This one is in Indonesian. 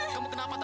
kamu kenapa tantri